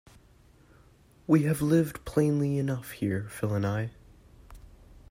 We have lived plainly enough here, Phil and I.